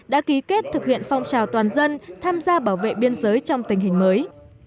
đã ký kết thực hiện phong trào toàn dân tham gia bảo vệ biên giới trong tình hình mới